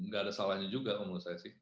gak ada salahnya juga menurut saya sih